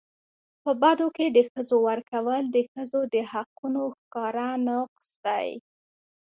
په بدو کي د ښځو ورکول د ښځو د حقونو ښکاره نقض دی.